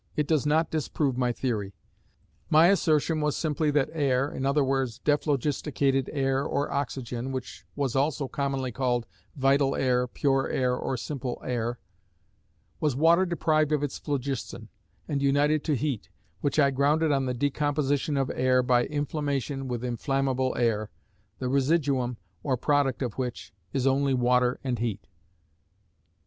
It does not disprove my theory.... My assertion was simply, that air (i.e., dephlogisticated air, or oxygen, which was also commonly called vital air, pure air, or simple air) was water deprived of its phlogiston, and united to heat, which I grounded on the decomposition of air by inflammation with inflammable air, the residuum, or product of which, is only water and heat.